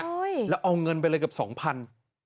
ใช่แล้วเอาเงินไปเลยเกือบสองพัน